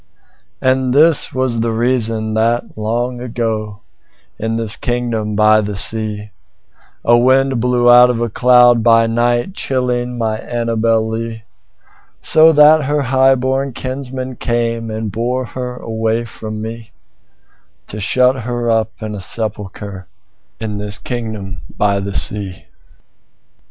And this was the reason that, long ago, In this kingdom by the sea,A wind blew out of a cloud, chillingMy beautiful Annabel Lee; So that her highborn kinsmen cameAnd bore her away from me, To shut her up in a sepulchreIn this kingdom by the sea.